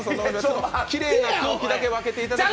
きれいな空気だけ分けていただいてて。